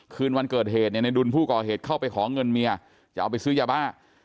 คืนวันเกิดเหตุเนี่ยในดุลผู้ก่อเหตุเข้าไปขอเงินเมียจะเอาไปซื้อยาบ้า